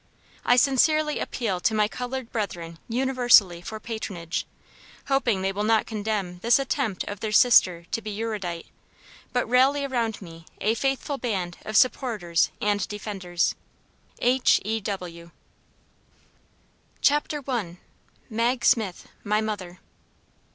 I sincerely appeal to my colored brethren universally for patronage, hoping they will not condemn this attempt of their sister to be erudite, but rally around me a faithful band of supporters and defenders. H. E. W. OUR NIG. CHAPTER I. MAG SMITH, MY MOTHER.